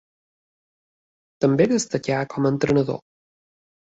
També destacà com a entrenador.